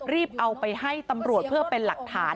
เอาไปให้ตำรวจเพื่อเป็นหลักฐาน